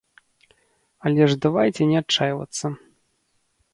Але ж давайце не адчайвацца.